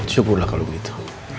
syukurlah kalau begitu